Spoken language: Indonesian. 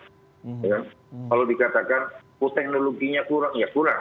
kalau dikatakan oh teknologinya kurang ya kurang